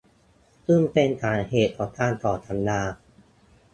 ซึ่งเป็นสาเหตุของการต่อสัญญา